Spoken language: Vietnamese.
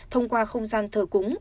thông qua không gian thờ cúng